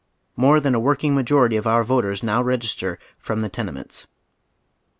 More than a working majority of our voters now register from tlie tenements.